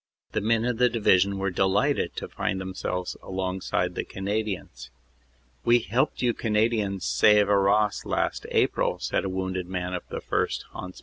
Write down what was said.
The men of the Division were delighted to find themselves alongside of the Canadians. "We helped you Canadians save Arras last April," said a wounded man of the 1st. Hants.